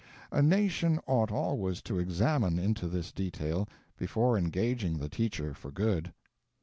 A nation ought always to examine into this detail before engaging the teacher for good.